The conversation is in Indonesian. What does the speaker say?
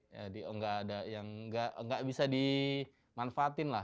jadi nggak ada yang nggak bisa dimanfaatin lah